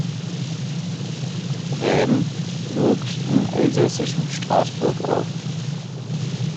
Rähm" wuchs im elsässischen Straßburg auf.